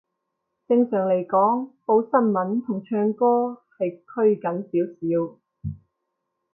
正常嚟講，報新聞同唱歌係拘謹少少